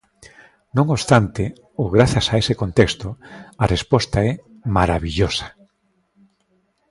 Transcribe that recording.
Non obstante, ou grazas a ese contexto, a resposta é "marabillosa".